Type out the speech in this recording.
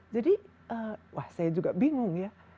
jadi wah saya juga bingung ya